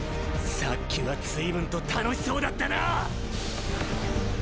さっきはずいぶんと楽しそうだったな。